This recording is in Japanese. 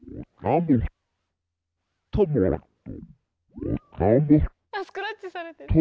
あスクラッチされてる。